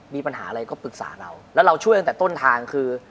มีปัญหาอะไรก็ปรึกษาเราแล้วเราช่วยตั้งแต่ต้นทางคือ